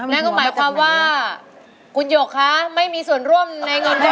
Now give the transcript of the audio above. นั่นก็หมายความว่าคุณหยกคะไม่มีส่วนร่วมในเงินที่